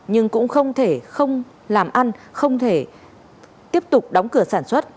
nhưng cũng không thể không làm ăn không thể tiếp tục đóng cửa sản xuất